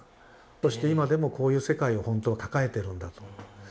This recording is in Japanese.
そして今でもこういう世界をほんとは抱えてるんだと思うんです。